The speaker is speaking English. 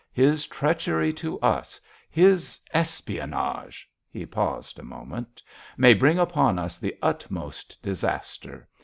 His treachery to us, his espionage"—he paused a moment—"may bring upon us the utmost disaster.